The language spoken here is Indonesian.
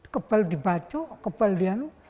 gebel di baco gebel di nu